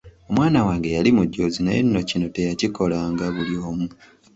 Omwana wange yali mujoozi naye nno kino teyakikolanga buli omu.